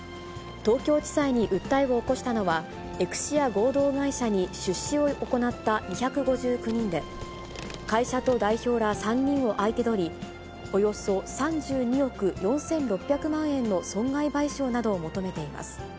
東京地裁に訴えを起こしたのは、エクシア合同会社に出資を行った２５９人で、会社と代表ら３人を相手取り、およそ３２億４６００万円の損害賠償などを求めています。